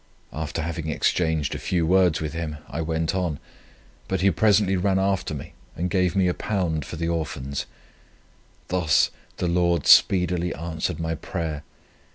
After having exchanged a few words with him, I went on; but he presently ran after me, and gave me £1 for the Orphans. Thus the Lord speedily answered my prayer.